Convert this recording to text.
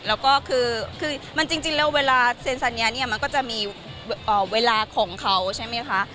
แล้วก็คือมันจริงแล้วเวลาเซ็นสัญญาเนี่ยมันก็จะมีเวลาของเขาใช่ไหมคะ